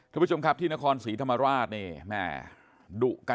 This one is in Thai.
ทุกผู้ชมครับที่นครศรีธรรมราชนี่แม่ดุกัน